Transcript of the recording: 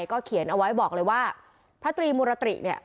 ก็เขียนเอาไว้บอกเลยว่าพระตรีมุรติเนี่ย